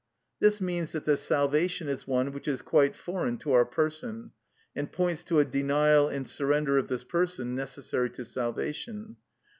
This means that the salvation is one which is quite foreign to our person, and points to a denial and surrender of this person necessary to salvation.